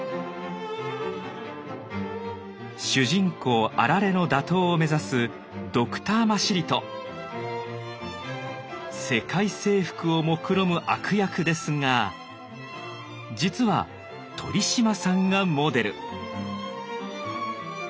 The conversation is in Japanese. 主人公アラレの打倒を目指す世界征服をもくろむ悪役ですが実は鳥嶋さんがモデル。